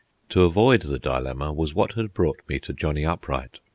To avoid the dilemma was what had brought me to Johnny Upright.